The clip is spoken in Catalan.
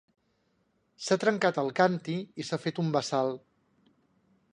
S'ha trencat el càntir i s'ha fet un bassal.